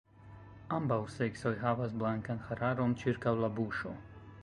Ambaŭ seksoj havas blankan hararon ĉirkaŭ la buŝo.